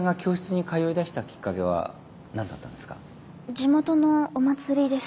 地元のお祭りです。